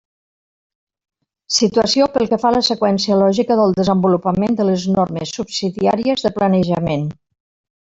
Situació pel que fa a la seqüència lògica del desenvolupament de les normes subsidiàries de planejament.